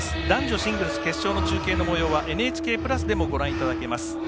男女シングルスの決勝のもようはＮＨＫプラスでもご覧いただけます。